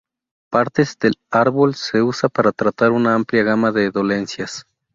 Partes del árbol se usa para tratar una amplia gama de dolencias.